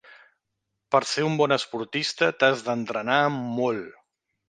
Per ser un bon esportista t'has d'entrenar molt.